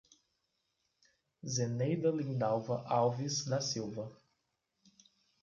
Zeneida Lindalva Alves da Silva